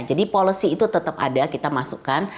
jadi policy itu tetap ada kita masukkan